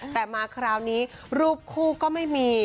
แต่มาคราวนี้รูปคู่ก็ไม่มี